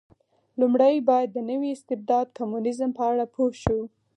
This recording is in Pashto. لومړی باید د نوي استبداد کمونېزم په اړه پوه شو.